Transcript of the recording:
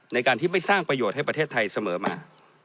ในการที่ไม่สร้างประโยชน์ให้ประเทศไทยเสมอมา